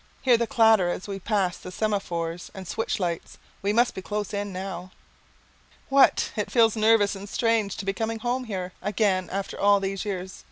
Hear the clatter as we pass the semaphores and switch lights! We must be close in now! What? it feels nervous and strange to be coming here again after all these years?